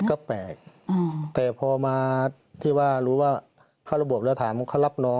ก็แปลกแต่พอมาที่ว่าระบบแล้วถามเขารับน้อง